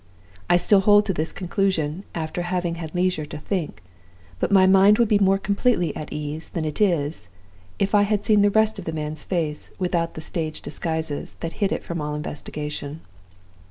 I still hold to this conclusion, after having had leisure to think; but my mind would be more completely at ease than it is if I had seen the rest of the man's face without the stage disguises that hid it from all investigation.